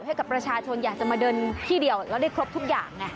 ให้กับประชาชนอยากจะมาเดินที่เดียวแล้วได้ครบทุกอย่างไง